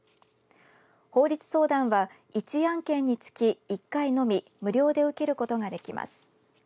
法律相談は１案件につき１回のみ無料で受けることができます。